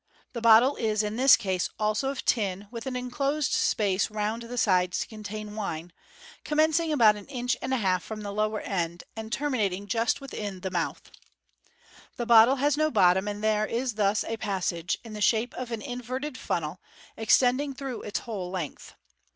The bottle is in this case also of tin, with an enclosed space round the sides to contain wine, commencing about an inch and a half from the lower end, and terminating just within the mouth, (See Fig. 207.) The bottle has nc bottom, and there is thus a passage, in the shape ot an inverted funnel, extend ing through its whole length.